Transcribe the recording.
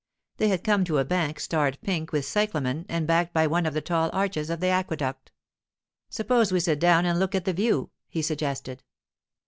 They had come to a bank starred pink with cyclamen and backed by one of the tall arches of the aqueduct. 'Suppose we sit down and look at the view,' he suggested.